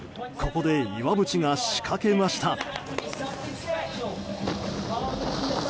ここで岩渕が仕掛けました。